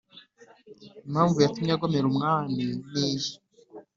Impamvu yatumye agomera umwami ni iyi